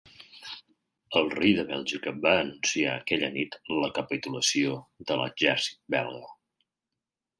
El rei de Bèlgica va anunciar aquella nit la capitulació de l'exèrcit belga.